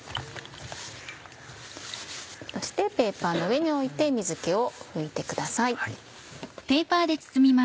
そしてペーパーの上に置いて水気を拭いてください。